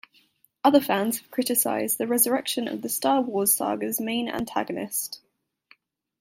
Other fans have criticized the resurrection of the "Star Wars" saga's main antagonist.